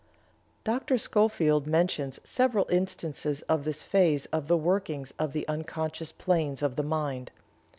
Dr. Schofield mentions several instances of this phase of the workings of the unconscious planes of the mind.